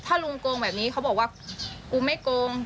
ถ้าลุงโกงแบบนี้เขาบอกว่ากูไม่โกง